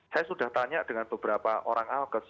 saya sudah tanya dengan beberapa orang alkes